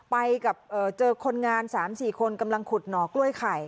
ไปกับเจอคนงาน๓๔คนกำลังขุดหน่อกล้วยไข่